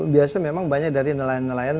biasa memang banyak dari nelayan nelayan